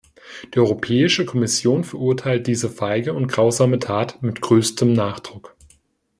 Die Europäische Kommission verurteilt diese feige und grausame Tat mit größtem Nachdruck.